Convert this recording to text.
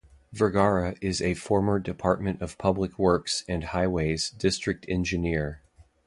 Vergara is a former Department of Public Works and Highways District Engineer.